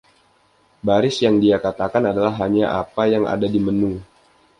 Baris yang dia katakan adalah: "Hanya apa yang ada di menu".